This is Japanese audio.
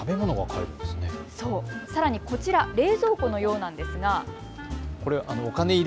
さらにこちら、冷蔵庫のようなんですが。